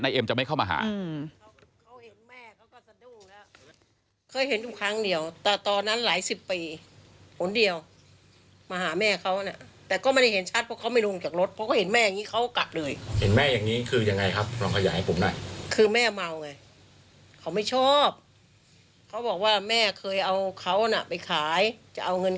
นายเอมจะไม่เข้ามาหา